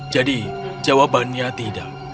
jadi jawabannya tidak